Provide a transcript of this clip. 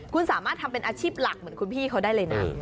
คุณสามารถทำเป็นอาชีพหลักเหมือนคุณพี่เขาได้เลยนะ